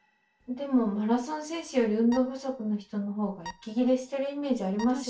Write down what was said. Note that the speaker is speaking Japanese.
でもマラソン選手より運動不足の人のほうが息切れしてるイメージありますよね。